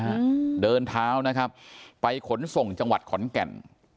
อืมเดินเท้านะครับไปขนส่งจังหวัดขอนแก่น